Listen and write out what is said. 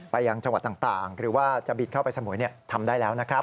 ยังจังหวัดต่างหรือว่าจะบินเข้าไปสมุยทำได้แล้วนะครับ